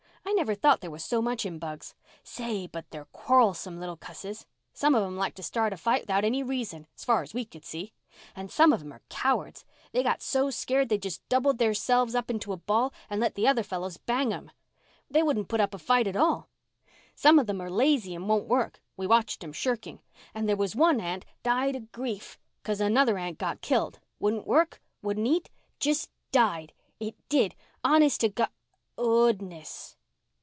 I never thought there was so much in bugs. Say, but they're quarrelsome little cusses—some of 'em like to start a fight 'thout any reason, far's we could see. And some of 'em are cowards. They got so scared they just doubled theirselves up into a ball and let the other fellows bang 'em. They wouldn't put up a fight at all. Some of 'em are lazy and won't work. We watched 'em shirking. And there was one ant died of grief 'cause another ant got killed—wouldn't work—wouldn't eat—just died—it did, honest to Go—oodness."